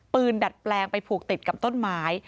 ดัดแปลงไปผูกติดกับต้นไม้